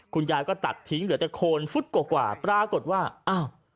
คุณยายก็ตัดทิ้งเหลือแต่โคนฟุตกว่ากว่าปรากฏว่าอ้าว